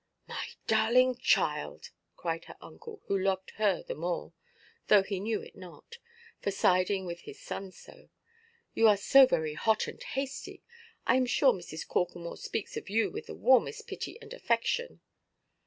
"My darling child," cried her uncle, who loved her the more (though he knew it not) for siding with his son so, "you are so very hot and hasty. I am sure Mrs. Corklemore speaks of you with the warmest pity and affection."